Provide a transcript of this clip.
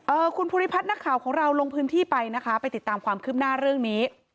คุณภูริพัฒน์นักข่าวของเราลงพื้นที่ไปนะคะไปติดตามความคืบหน้าเรื่องนี้